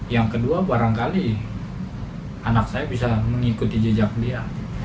yang kedua barangkali anak saya bisa mengikuti jejak dia